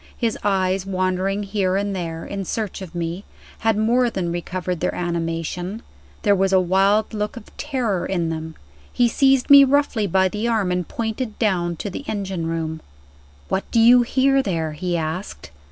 His eyes wandering here and there, in search of me, had more than recovered their animation there was a wild look of terror in them. He seized me roughly by the arm and pointed down to the engine room. "What do you hear there?" he asked.